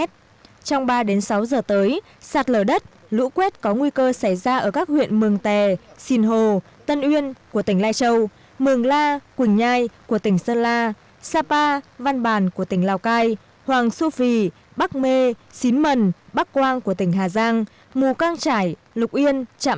trong ba đến sáu giờ tới sạt lở đất lũ quét có nguy cơ xảy ra ở các huyện mường tè xìn hồ tân uyên của tỉnh lai châu mường la quỳnh nhai của tỉnh sơn la sapa văn bàn của tỉnh lào cai hoàng su phi bắc mê xín mần bắc quang của tỉnh sơn la